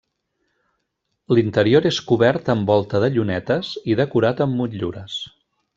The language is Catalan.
L'interior és cobert amb volta de llunetes i decorat amb motllures.